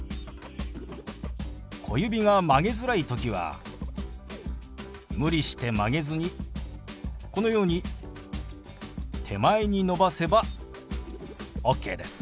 小指が曲げづらい時は無理して曲げずにこのように手前に伸ばせばオッケーです。